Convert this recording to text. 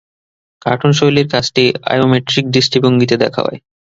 কার্টুন-শৈলীর কাজটি আয়োমেট্রিক দৃষ্টিভঙ্গিতে দেখা হয়।